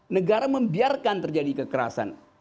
negara membiarkan terjadi kekerasan